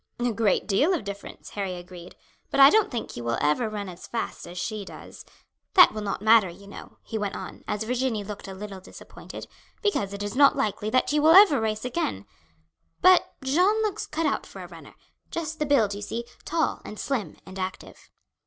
"A great deal of difference," Harry agreed; "but I don't think you will ever run as fast as she does. That will not matter, you know," he went on, as Virginie looked a little disappointed, "because it is not likely that you will ever race again; but Jeanne looks cut out for a runner just the build, you see tall, and slim, and active."